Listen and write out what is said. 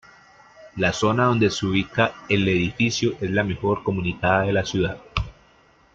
La zona donde se ubica el edificio es la mejor comunicada de la ciudad.